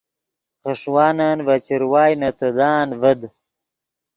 خݰوانن ڤے چروائے نے تیدان ڤد